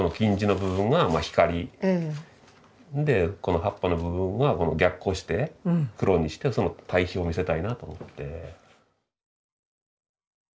でこの葉っぱの部分が逆光して黒にしてその対比を見せたいなと思って。